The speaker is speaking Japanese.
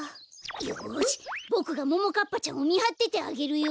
よしボクがももかっぱちゃんをみはっててあげるよ。